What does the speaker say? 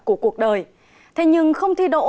của cuộc đời thế nhưng không thi đỗ